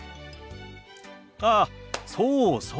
あそうそう。